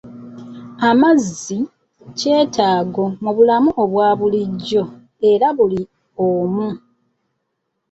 Amazzi kyetaago mu bulamu obwa bulijjo eri buli omu.